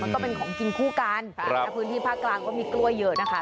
ก็เป็นของกินคู่กันและพื้นที่ภาคกลางก็มีกล้วยเยอะนะคะ